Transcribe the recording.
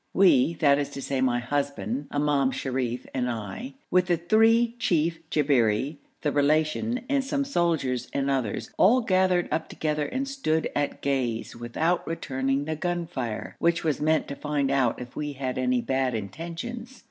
We that is to say my husband, Imam Sharif, and I with the three chief Jabberi, the Relation, and some soldiers and others, all gathered up together and stood at gaze, without returning the gun fire, which was meant to find out if we had any bad intentions.